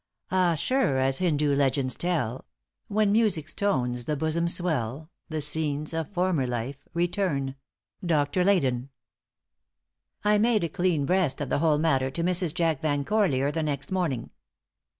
* Ah, sure, as Hindoo legends tell, When music's tones the bosom swell The scenes of former life return. DR. LEYDEN. I made a clean breast of the whole matter to Mrs. Jack Van Corlear the next morning.